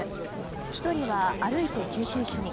１人は歩いて救急車に。